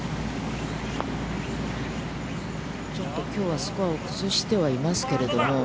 ちょっときょうはスコアを崩してはいますけど。